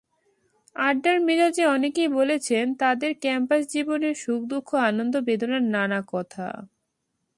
আড্ডার মেজাজে অনেকেই বলেছেন তঁাদের ক্যাম্পাস জীবনের সুখ–দুঃখ, আনন্দ–বেদনার নানা কথা।